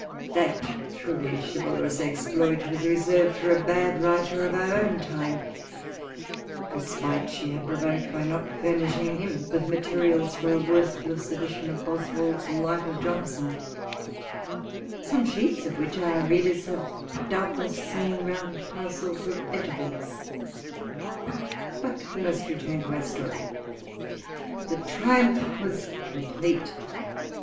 That truly chivalrous exploit was reserved for a bad writer of our own time, whose spite she had provoked by not furnishing him with materials for a worthless edition of Boswell's Life of Johnson, some sheets of which our readers have doubtless seen round parcels of better books. But we must return to our story. The triumph was complete.